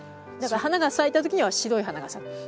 だから花が咲いた時には白い花が咲く。